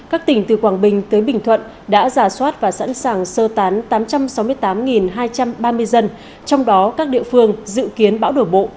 các tỉnh từ quảng bình tới bình thuận đã giả soát và sẵn sàng sơ tán tám trăm sáu mươi tám hai trăm ba mươi dân trong đó các địa phương dự kiến bão đổ bộ